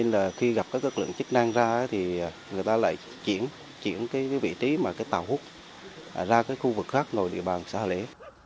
người ta lại chuyển vị trí tàu hút ra khu vực khác nồi địa bàn xã hà lễ